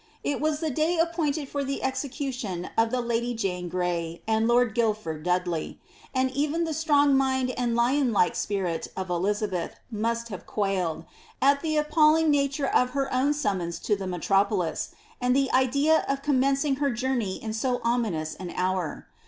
It was the day appointed for the execution of the lady Jane Gmy and lord Guildford Dudley, and even the strong mind and lion like spirit of Elizabeth must have quailed, at the appalling nature of her own summons to the metropolis, and the idea of commencing her journey in so ominous an hour.